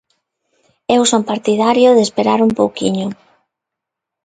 Eu son partidario de esperar un pouquiño.